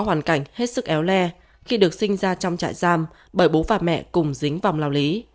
hoàn cảnh hết sức éo le khi được sinh ra trong trại giam bởi bố và mẹ cùng dính vòng lao lý